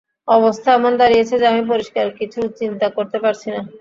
অবস্থা এমন দাঁড়িয়েছে যে, আমি পরিষ্কার কিছু চিন্তা করতে পারছি না।